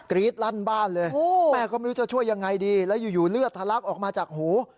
รี๊ดลั่นบ้านเลยแม่ก็ไม่รู้จะช่วยยังไงดีแล้วอยู่เลือดทะลักออกมาจากหู